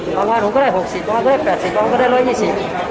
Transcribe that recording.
ประมาณหนึ่งก็ได้หกสิบตรงนั้นก็ได้แปดสิบตรงนั้นก็ได้ร้อยยี่สิบ